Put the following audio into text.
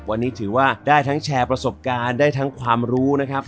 วันนี้ถือว่าได้ทั้งแชร์ประสบการณ์ได้ทั้งความรู้นะครับ